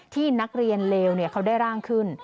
ที่นักเรียนเลวเขาได้ร่างขึ้น